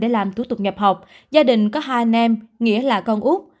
làm thủ tục nhập học gia đình có hai anh em nghĩa là con út